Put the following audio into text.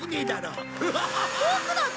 うわあっ！